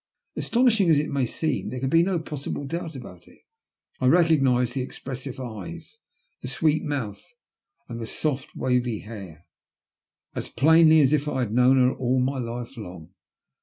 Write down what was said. Astonishing as it may seem, there could be no possible doubt about it — I recognised the expressive eyes, the sweet mouth, and the soft, wavy hair as plainly as if I had known her all my life long.